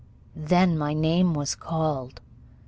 Then my name was called.